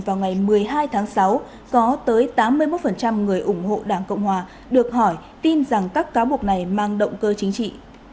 vào ngày một mươi hai tháng sáu có tới tám mươi một người ủng hộ đảng cộng hòa được hỏi tin rằng các cáo buộc này mang động cơ chính trị